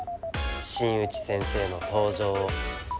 新内先生の登場を。